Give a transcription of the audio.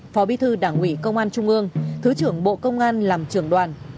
phó bí thư đảng ủy công an trung ương thứ trưởng bộ công an làm trưởng đoàn